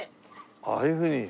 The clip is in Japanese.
ああいうふうに。